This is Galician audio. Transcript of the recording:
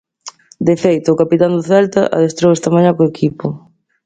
De feito, o capitán do Celta adestrou esta mañá co equipo.